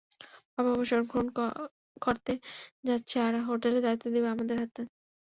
বাবা অবসর গ্রহণ করতে যাচ্ছে আর হোটেলের দায়িত্ব দিবে আমাদের হাতে।